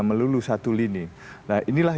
melulu satu lini nah inilah